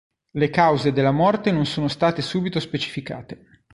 Le cause della morte non sono state subito specificate.